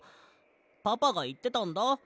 パパがいってたんだ。